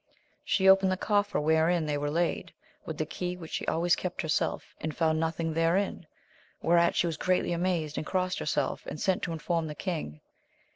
She opened the coffer wherein they were laid, with the key which she always kept herself, and found nothing therein, whereat she was greatly amazed, and crossed herself and sent to inform the king.